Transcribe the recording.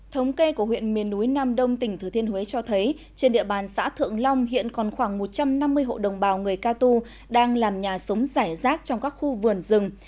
thống kê của huyện miền núi nam đông tỉnh thừa thiên huế cho thấy trên địa bàn xã thượng long hiện còn khoảng một trăm năm mươi hộ đồng bào người ca tu đang làm nhà sống rải rác trong các khu vườn rừng